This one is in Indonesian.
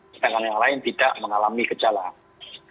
sedangkan yang lain tidak mengalami gejala